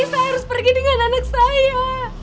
saya harus pergi dengan anak saya